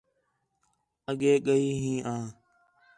اڳے ڳئی ہیں آں